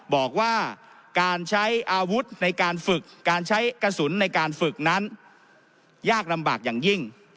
บอกว่าการใช้อาวุธในการฝึกการใช้กระสุนในการฝึกนั้นยากลำบากอย่างยิ่ง